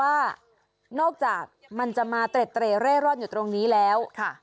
ว่านอกจากมันจะมาเตรเร่ร่อนอยู่ตรงนี้แล้ว